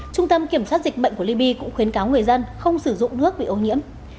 trung tâm kiểm soát dịch bệnh của libya cũng khuyến cáo người dân không sử dụng nước bị ô nhiễm